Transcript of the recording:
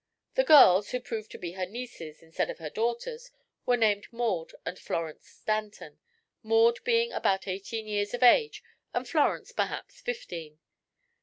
The girls, who proved to be her nieces instead of her daughters, were named Maud and Florence Stanton, Maud being about eighteen years of age and Florence perhaps fifteen.